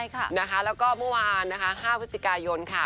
แล้วก็เมื่อวานนะคะ๕พฤศจิกายนค่ะ